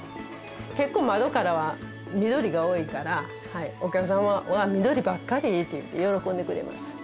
結構窓からは緑が多いからお客様は「緑ばっかり」って言って喜んでくれます。